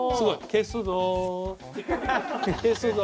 消すぞ。